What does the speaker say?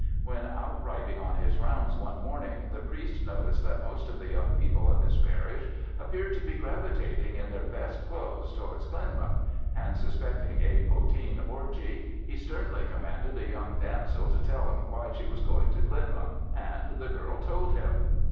When out riding on his rounds one morning, the priest noticed that most of the young people of his parish appeared to be gravitating in their best clothes towards Glenmuck, and suspecting a poteen orgy, he sternly commanded a young damsel to tell him why she was going to Glenmuck, and the girl told him.